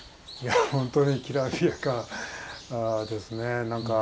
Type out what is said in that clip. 本当にきらびやかですね。